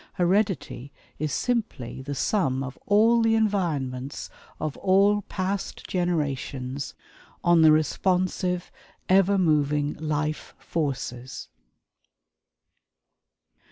Heredity is simply the sum of all the environments of all past generations on the responsive ever moving life forces."